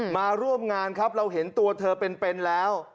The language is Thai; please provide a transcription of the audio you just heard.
มาร่วมงานครับเราเห็นตัวเธอเป็นแล้ว